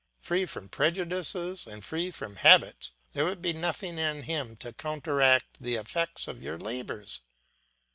Free from prejudices and free from habits, there would be nothing in him to counteract the effects of your labours.